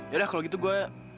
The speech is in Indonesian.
yaudah kalau gitu gue